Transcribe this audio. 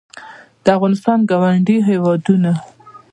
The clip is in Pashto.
د افغانستان ګاونډي هېوادونه